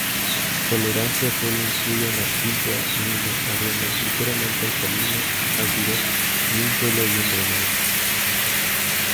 Tolerancias suelo incluyen arcilla, limo, arena, ligeramente alcalino, ácido, y un suelo bien drenado.